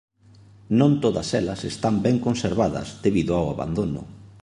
Non todas elas están ben conservadas debido ao abandono.